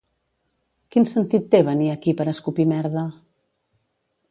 Quin sentit té venir aquí per escopir merda?